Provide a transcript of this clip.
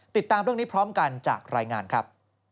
ติดตามเรื่องนี้พร้อมกันจากรายงานครับ